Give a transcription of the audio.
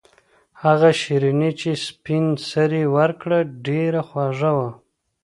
هغه شیرني چې سپین سرې ورکړه ډېره خوږه وه.